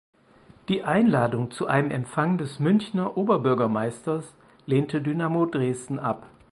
Die Einladung zu einem Empfang des Münchner Oberbürgermeisters lehnte Dynamo Dresden ab.